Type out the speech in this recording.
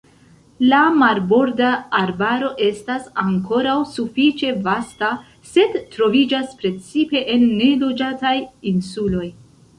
La marborda arbaro estas ankoraŭ sufiĉe vasta, sed troviĝas precipe en neloĝataj insuloj.